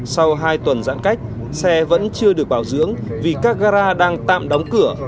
sau hai tuần giãn cách xe vẫn chưa được bảo dưỡng vì các gara đang tạm đóng cửa